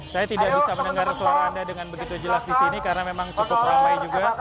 saya tidak bisa mendengar suara anda dengan begitu jelas di sini karena memang cukup ramai juga